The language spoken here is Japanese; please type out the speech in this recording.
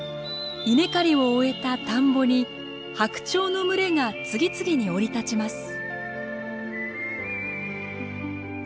稲刈りを終えた田んぼにハクチョウの群れが次々に降り立ちます。